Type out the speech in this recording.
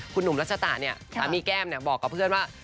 คุณหนุ่มรัชตะเนี่ยสามีแก้มบอกกับเพื่อนว่า